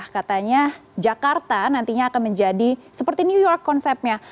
katanya jakarta nantinya akan menjadi seperti new york konsepnya